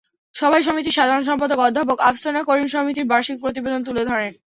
সভায় সমিতির সাধারণ সম্পাদক অধ্যাপক আফসানা করিম সমিতির বার্ষিক প্রতিবেদন তুলে ধরেন।